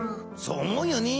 そう思うよね。